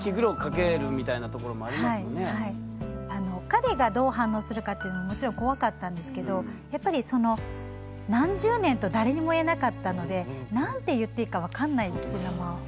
彼がどう反応するかっていうのももちろん怖かったんですけどやっぱりその何十年と誰にも言えなかったのでどういうふうに伝えていいかが分からないってことか。